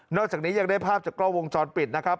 อกจากนี้ยังได้ภาพจากกล้องวงจรปิดนะครับ